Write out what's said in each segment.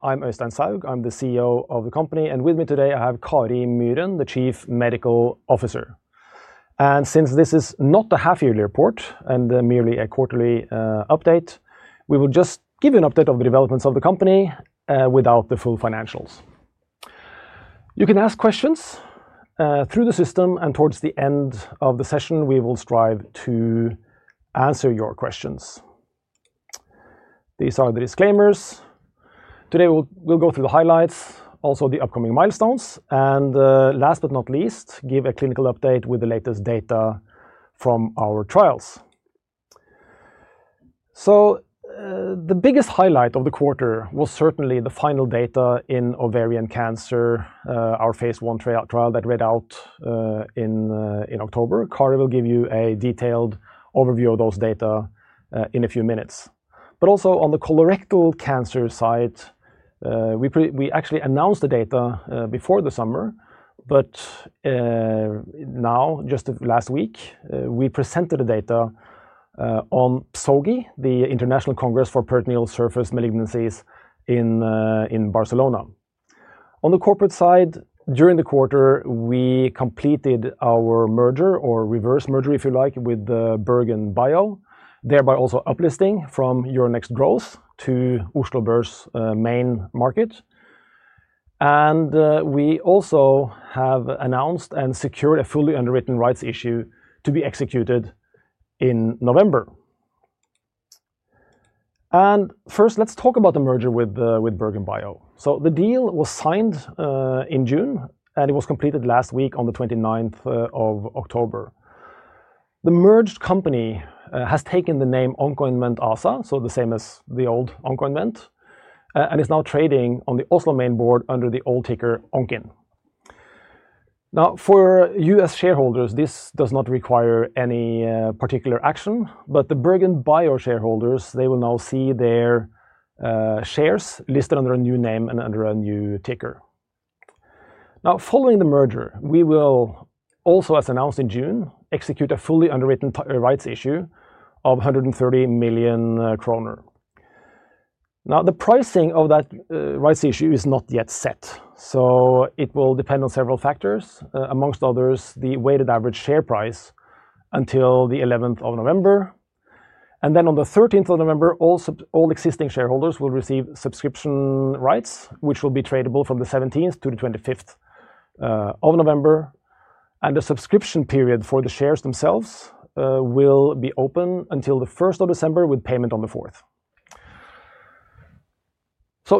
I'm Øystein Soug, I'm the CEO of the company, and with me today I have Kari Myren, the Chief Medical Officer. Since this is not a half-yearly report and merely a quarterly update, we will just give you an update on the developments of the company without the full financials. You can ask questions through the system, and towards the end of the session we will strive to answer your questions. These are the disclaimers. Today we'll go through the highlights, also the upcoming milestones, and last but not least, give a clinical update with the latest data from our trials. The biggest highlight of the quarter was certainly the final data in ovarian cancer, our phase I trial that read out in October. Kari will give you a detailed overview of those data in a few minutes. Also on the colorectal cancer side, we actually announced the data before the summer, but now, just last week, we presented the data at PSOGI, the International Congress for Peritoneal Surface Malignancies in Barcelona. On the corporate side, during the quarter we completed our merger, or reverse merger if you like, with BerGenBio, thereby also uplifting from Euronext Growth to Oslo Børs main market. We also have announced and secured a fully underwritten rights issue to be executed in November. First, let's talk about the merger with BerGenBio. the deal was signed in June, and it was completed last week on the 29th of October. The merged company has taken the name Oncoinvent ASA, so the same as the old Oncoinvent, and is now trading on the Oslo main board under the old ticker ONCIN. For US shareholders, this does not require any particular action, but BerGenBio shareholders, they will now see their shares listed under a new name and under a new ticker. Following the merger, we will also, as announced in June, execute a fully underwritten rights issue of 130 million kroner. The pricing of that rights issue is not yet set, so it will depend on several factors, amongst others the weighted average share price until the 11th of November. On the 13th of November, all existing shareholders will receive subscription rights, which will be tradable from the 17th to the 25th of November. The subscription period for the shares themselves will be open until the 1st of December, with payment on the 4th.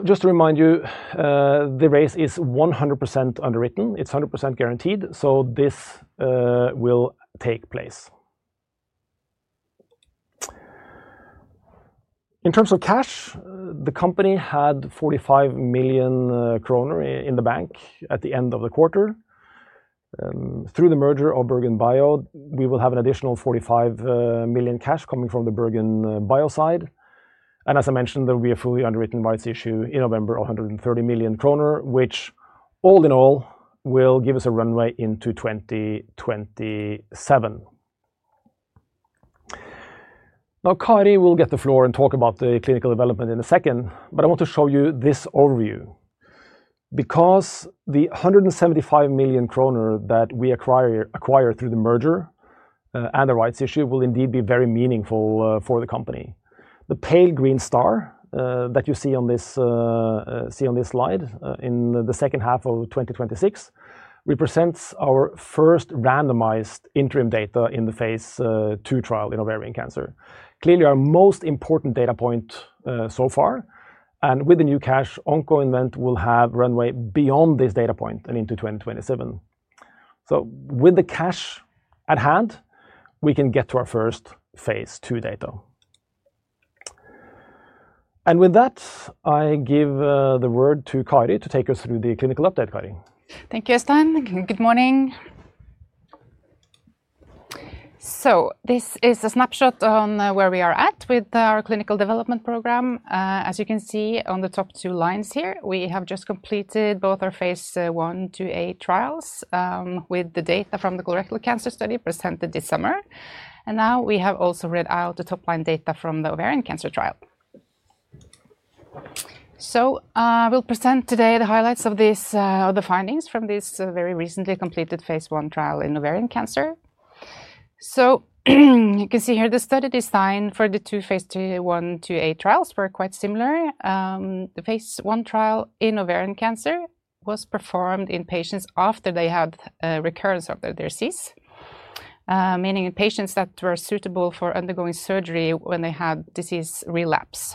Just to remind you, the raise is 100% underwritten, it's 100% guaranteed, so this will take place. In terms of cash, the company had 45 million kroner in the bank at the end of the quarter. Through the merger BerGenBio, we will have an additional 45 million cash coming from BerGenBio side. As I mentioned, there will be a fully underwritten rights issue in November of 130 million kroner, which all in all will give us a runway into 2027. Now, Kari will get the floor and talk about the clinical development in a second, but I want to show you this overview. Because the 175 million kroner that we acquire through the merger and the rights issue will indeed be very meaningful for the company. The pale green star that you see on this slide in the second half of 2026 represents our first randomized interim data in the phase II trial in ovarian cancer. Clearly our most important data point so far, and with the new cash, Oncoinvent will have runway beyond this data point and into 2027. With the cash at hand, we can get to our first phase II data. With that, I give the word to Kari to take us through the clinical update, Kari. Thank you, Øystein. Good morning. This is a snapshot on where we are at with our clinical development program. As you can see on the top two lines here, we have just completed both our phase I trials with the data from the colorectal cancer study presented this summer. Now we have also read out the top line data from the ovarian cancer trial. We'll present today the highlights of the findings from this very recently completed phase I trial in ovarian cancer. You can see here the study design for the two phase I trials were quite similar. The phase I trial in ovarian cancer was performed in patients after they had recurrence of their disease, meaning in patients that were suitable for undergoing surgery when they had disease relapse.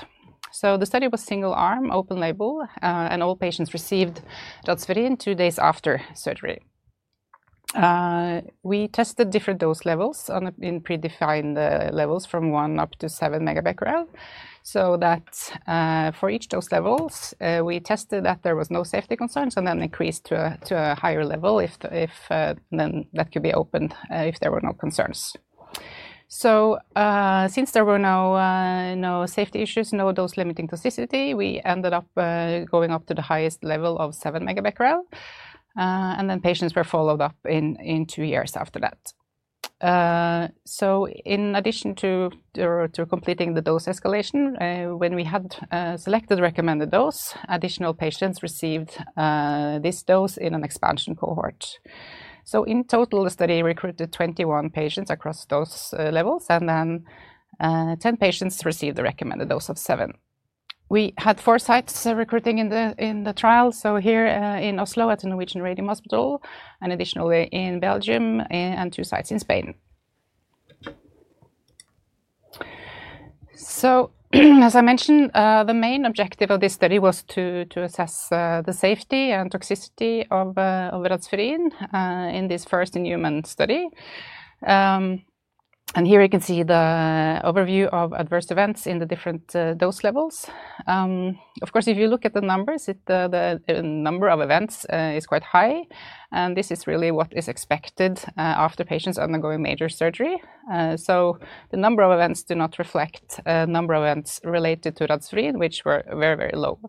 The study was single arm, open label, and all patients received Radspherin two days after surgery. We tested different dose levels in predefined levels from 1 MBq up to 7 MBq. For each dose level, we tested that there was no safety concerns and then increased to a higher level if that could be opened if there were no concerns. Since there were no safety issues, no dose-limiting toxicity, we ended up going up to the highest level of 7 MBq. Patients were followed up in 2 years after that. In addition to completing the dose escalation, when we had selected the recommended dose, additional patients received this dose in an expansion cohort. In total, the study recruited 21 patients across those levels, and 10 patients received the recommended dose of 7MBq. We had four sites recruiting in the trial, here in Oslo at the Norwegian Radium Hospital, and additionally in Belgium, and two sites in Spain. As I mentioned, the main objective of this study was to assess the safety and toxicity of Radspherin in this first, in human study. Here you can see the overview of adverse events in the different dose levels. Of course, if you look at the numbers, the number of events is quite high, and this is really what is expected after patients undergoing major surgery. The number of events do not reflect a number of events related to Radspherin, which were very, very low.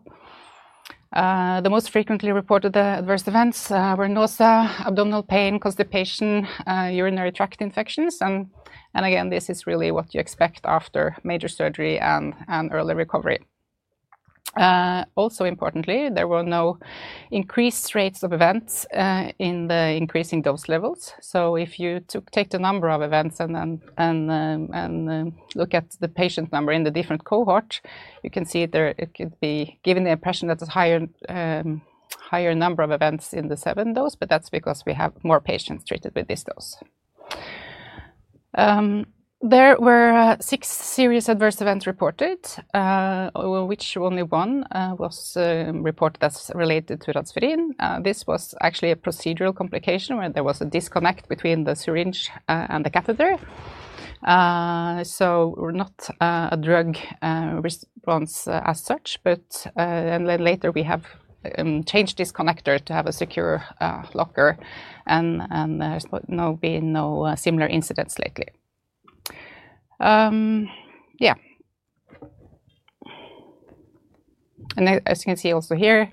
The most frequently reported adverse events were nausea, abdominal pain, constipation, urinary tract infections. Again, this is really what you expect after major surgery and early recovery. Also importantly, there were no increased rates of events in the increasing dose levels. If you take the number of events and look at the patient number in the different cohorts, you can see there could be given the impression that there's a higher number of events in the 7 MBq dose, but that's because we have more patients treated with this dose. There were six serious adverse events reported. Of which only one was reported as related to doxycycline. This was actually a procedural complication where there was a disconnect between the syringe and the catheter. Not a drug response as such, but then later we have changed this connector to have a secure locker, and there have been no similar incidents lately. Yeah. As you can see also here,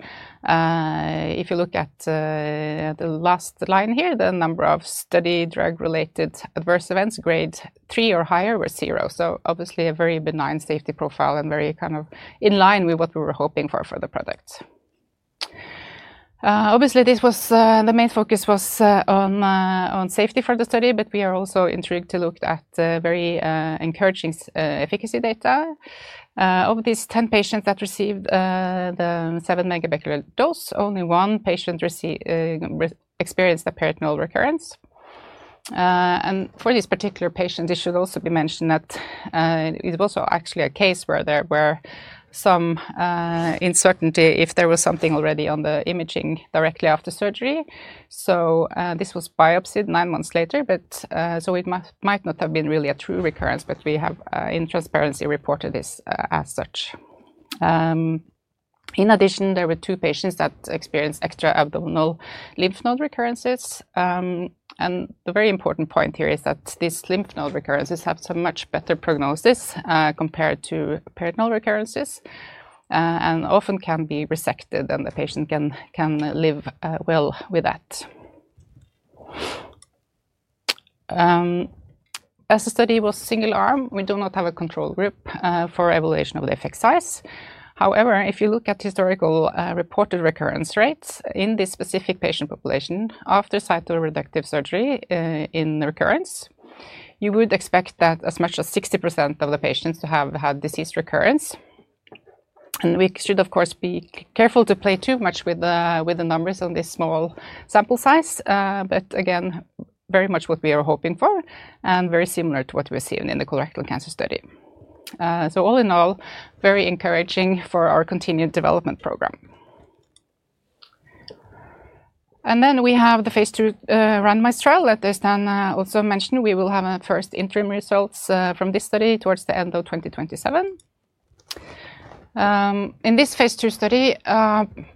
if you look at the last line here, the number of study drug-related adverse events, grade three or higher, was zero. Obviously a very benign safety profile and very kind of in line with what we were hoping for for the product. Obviously, the main focus was on safety for the study, but we are also intrigued to look at very encouraging efficacy data. Of these 10 patients that received the 7 MBq dose, only one patient experienced a peritoneal recurrence. For this particular patient, it should also be mentioned that it was also actually a case where there were some uncertainties if there was something already on the imaging directly after surgery. This was biopsied 9 months later, so it might not have been really a true recurrence, but we have in transparency reported this as such. In addition, there were two patients that experienced extra abdominal lymph node recurrences. The very important point here is that these lymph node recurrences have a much better prognosis compared to peritoneal recurrences and often can be resected, and the patient can live well with that. As the study was single arm, we do not have a control group for evaluation of the effect size. However, if you look at historical reported recurrence rates in this specific patient population after cytoreductive surgery in recurrence, you would expect that as much as 60% of the patients to have had disease recurrence. We should, of course, be careful to play too much with the numbers on this small sample size, but again, very much what we are hoping for and very similar to what we are seeing in the colorectal cancer study. All in all, very encouraging for our continued development program. We have the phase II randomized trial that Øystein also mentioned. We will have our first interim results from this study towards the end of 2027. In this phase II study,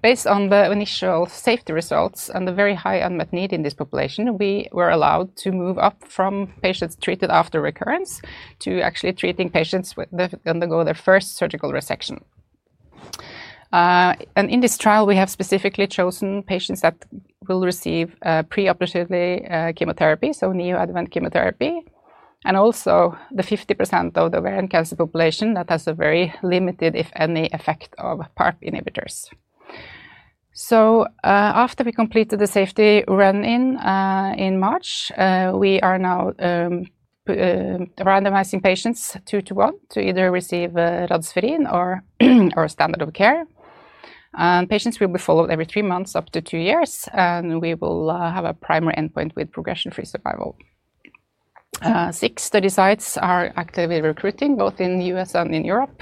based on the initial safety results and the very high unmet need in this population, we were allowed to move up from patients treated after recurrence to actually treating patients that undergo their first surgical resection. In this trial, we have specifically chosen patients that will receive preoperatively chemotherapy, so neoadjuvant chemotherapy, and also the 50% of the ovarian cancer population that has a very limited, if any, effect of PARP inhibitors. After we completed the safety run-in in March, we are now randomizing patients two to one to either receive doxycycline or standard of care. Patients will be followed every 3 months up to 2 years, and we will have a primary endpoint with progression-free survival. Six study sites are actively recruiting, both in the U.S. and in Europe.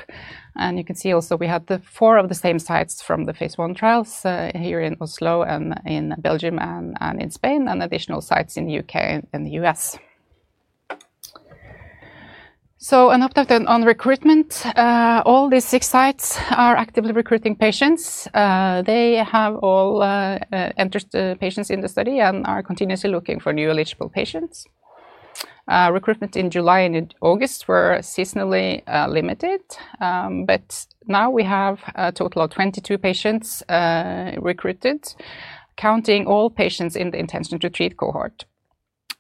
You can see also we had four of the same sites from the phase I trials here in Oslo and in Belgium and in Spain, and additional sites in the U.K. and the U.S. An update on recruitment: all these six sites are actively recruiting patients. They have all entered patients in the study and are continuously looking for new eligible patients. Recruitment in July and in August were seasonally limited. Now we have a total of 22 patients recruited, counting all patients in the intention to treat cohort,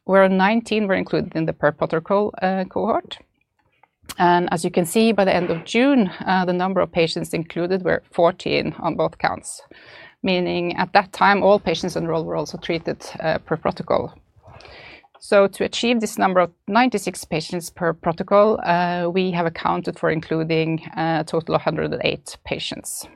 where 19 were included in the per protocol cohort. As you can see, by the end of June, the number of patients included were 14 on both counts, meaning at that time, all patients enrolled were also treated per protocol. To achieve this number of 96 patients per protocol, we have accounted for including a total of 108 patients.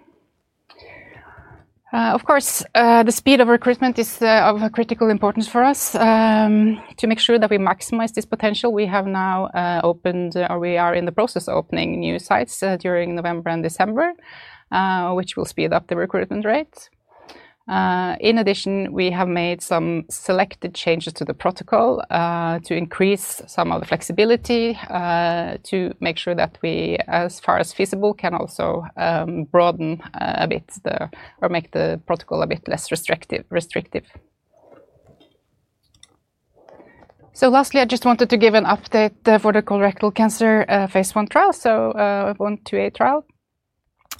The speed of recruitment is of critical importance for us. To make sure that we maximize this potential, we have now opened, or we are in the process of opening, new sites during November and December, which will speed up the recruitment rate. In addition, we have made some selected changes to the protocol to increase some of the flexibility to make sure that we, as far as feasible, can also broaden a bit or make the protocol a bit less restrictive. Lastly, I just wanted to give an update for the colorectal cancer phase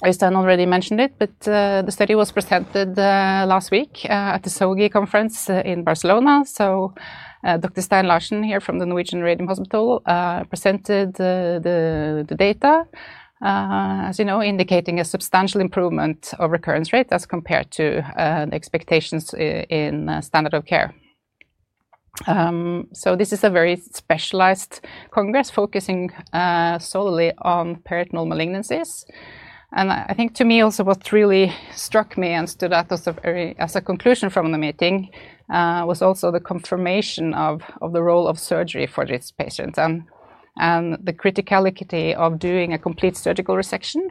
I trial, [phase I/II-A]. Øystein already mentioned it, but the study was presented last week at the PSOGI conference in Barcelona. Dr. Stein Larsen here from the Norwegian Radium Hospital presented the data. As you know, indicating a substantial improvement of recurrence rate as compared to the expectations in standard of care. This is a very specialized congress focusing solely on peritoneal malignancies. I think to me also what really struck me and stood out as a conclusion from the meeting was also the confirmation of the role of surgery for these patients and the criticality of doing a complete surgical resection,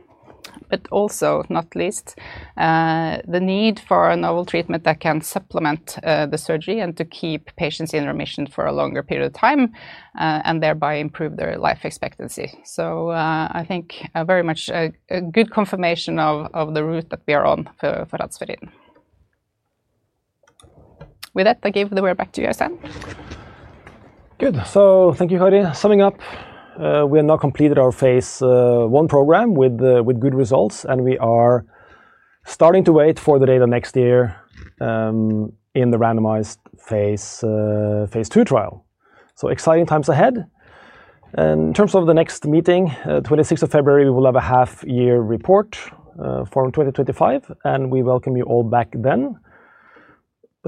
but also not least, the need for a novel treatment that can supplement the surgery and to keep patients in remission for a longer period of time and thereby improve their life expectancy. I think very much a good confirmation of the route that we are on for doxycycline. With that, I give the word back to you, Øystein. Good. Thank you, Kari. Summing up, we have now completed our phase I program with good results, and we are starting to wait for the data next year in the randomized phase II trial. Exciting times ahead. In terms of the next meeting, the 26th of February, we will have a half-year report for 2025, and we welcome you all back then.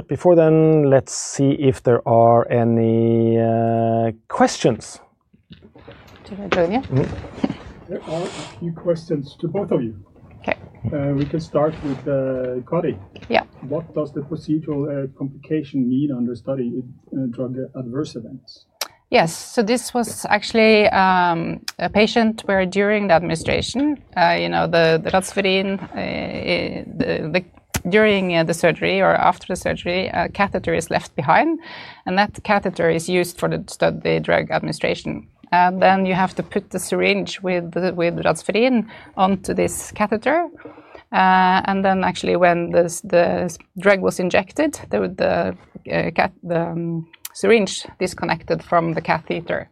Before then, let's see if there are any questions. There are a few questions to both of you. Okay. We can start with Kari. Yeah. What does the procedural complication mean under study drug adverse events? Yes. So this was actually a patient where during the administration, the doxycycline, during the surgery or after the surgery, a catheter is left behind, and that catheter is used for the drug administration. You have to put the syringe with the doxycycline onto this catheter. Actually, when the drug was injected, the syringe disconnected from the catheter,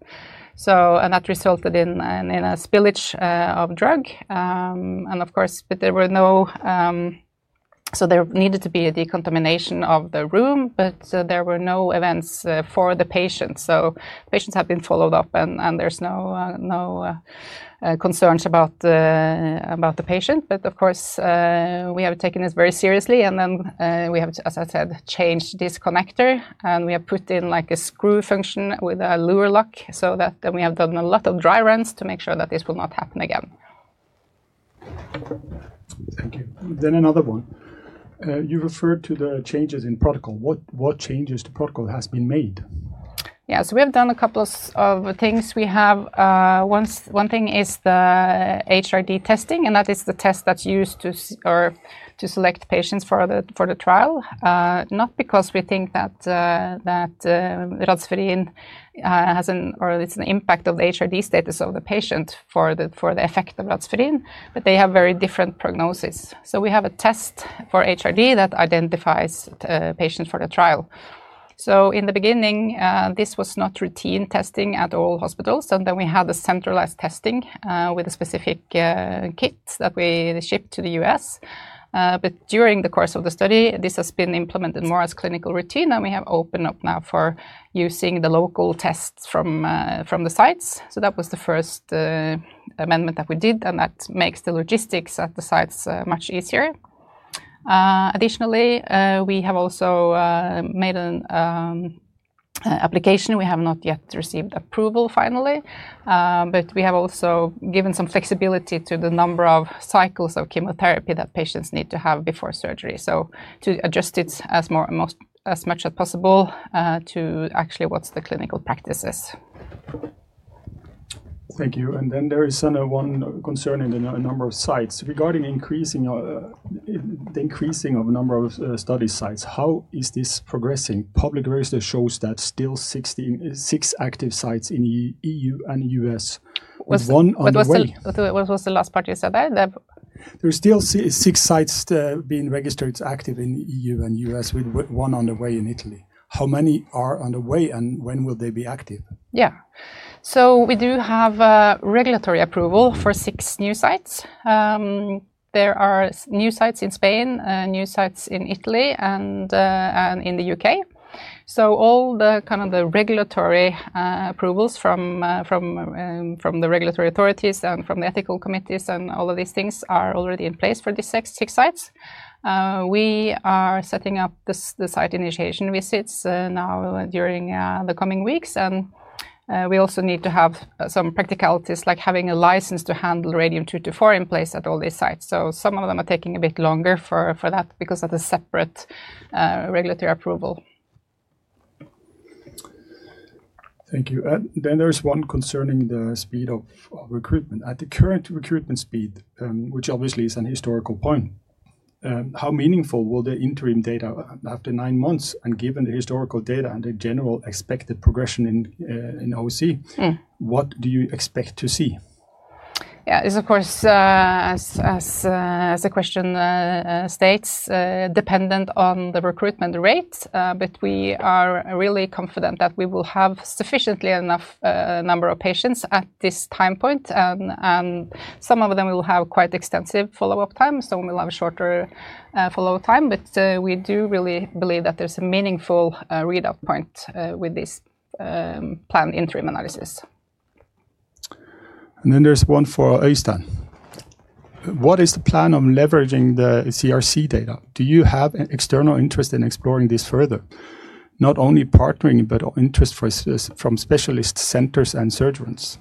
and that resulted in a spillage of drug. Of course, there were no—so there needed to be a decontamination of the room, but there were no events for the patient. Patients have been followed up, and there's no concerns about the patient. Of course, we have taken this very seriously, and we have, as I said, changed this connector, and we have put in like a screw function with a luer lock so that we have done a lot of dry runs to make sure that this will not happen again. Thank you. Another one. You referred to the changes in protocol. What changes to protocol have been made? Yeah. So we have done a couple of things. One thing is the HRD testing, and that is the test that's used to select patients for the trial. Not because we think that doxycycline has an impact on the HRD status of the patient for the effect of doxycycline, but they have very different prognoses. So we have a test for HRD that identifies patients for the trial. In the beginning, this was not routine testing at all hospitals. We had a centralized testing with a specific kit that we shipped to the U.S. During the course of the study, this has been implemented more as clinical routine, and we have opened up now for using the local tests from the sites. That was the first amendment that we did, and that makes the logistics at the sites much easier. Additionally, we have also made an application. We have not yet received approval finally, but we have also given some flexibility to the number of cycles of chemotherapy that patients need to have before surgery to adjust it as much as possible to actually what the clinical practice is. Thank you. There is one concern in a number of sites regarding the increasing of the number of study sites. How is this progressing? Public register shows that still six active sites in the EU and US. What was the last part you said there? There are still six sites being registered active in the EU and U.S., with one underway in Italy. How many are underway, and when will they be active? Yeah. So we do have regulatory approval for six new sites. There are new sites in Spain, new sites in Italy, and in the U.K. All the kind of regulatory approvals from the regulatory authorities and from the ethical committees and all of these things are already in place for these six sites. We are setting up the site initiation visits now during the coming weeks, and we also need to have some practicalities like having a license to handle radium 224 in place at all these sites. Some of them are taking a bit longer for that because that's a separate regulatory approval. Thank you. There is one concerning the speed of recruitment. At the current recruitment speed, which obviously is a historical point, how meaningful will the interim data be after 9 months? And given the historical data and the general expected progression in OC, what do you expect to see? Yeah. It's of course, as the question states, dependent on the recruitment rate, but we are really confident that we will have sufficiently enough number of patients at this time point. Some of them will have quite extensive follow-up time. Some will have a shorter follow-up time, but we do really believe that there's a meaningful readout point with this planned interim analysis. There is one for Øystein. What is the plan on leveraging the CRC data? Do you have an external interest in exploring this further, not only partnering, but interest from specialist centers and surgeons?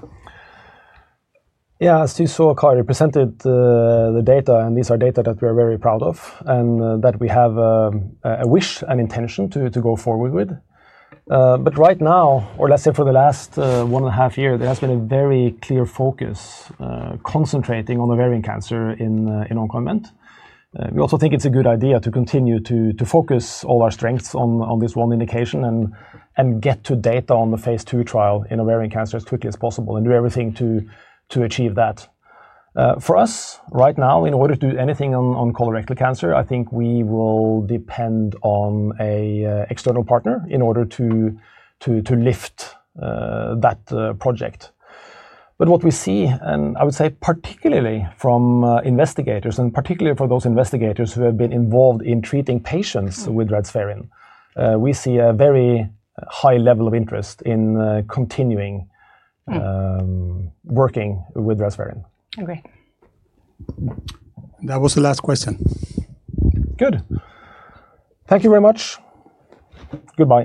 Yeah. As you saw, Kari, I presented the data, and these are data that we are very proud of and that we have a wish and intention to go forward with. Right now, or let's say for the last 1.5 year, there has been a very clear focus. Concentrating on ovarian cancer in Oncoinvent. We also think it's a good idea to continue to focus all our strengths on this one indication and get to data on the phase II trial in ovarian cancer as quickly as possible and do everything to achieve that. For us right now, in order to do anything on colorectal cancer, I think we will depend on an external partner in order to lift that project. What we see, and I would say particularly from investigators, and particularly for those investigators who have been involved in treating patients with Radspherin, we see a very high level of interest in continuing working with Radspherin. Agree. That was the last question. Good. Thank you very much. Goodbye.